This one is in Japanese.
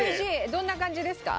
どんな感じですか？